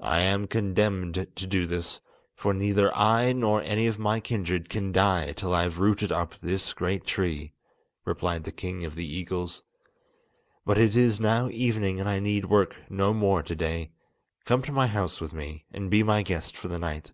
"I am condemned to do this, for neither I nor any of my kindred can die till I have rooted up this great tree," replied the king of the eagles. "But it is now evening, and I need work no more to day. Come to my house with me, and be my guest for the night."